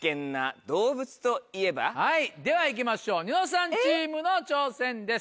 はいではいきましょうニノさんチームの挑戦です。